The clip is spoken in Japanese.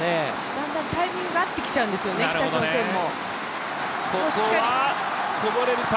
だんだんタイミングが合ってきちゃうんですよね、北朝鮮も。